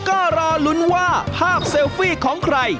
ก็รอลุ้นว่าภาพเซลฟี่ของใคร